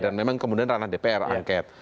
dan memang kemudian ranah dpr angket